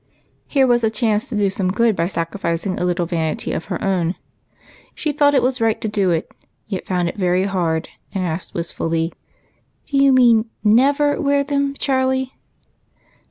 Here was a chance to do some good by sacrificing a little vanity of her own. She felt it was right to do it, yet found it very hard, and asked wistfully, —" Do you mean never wear them, Charlie ?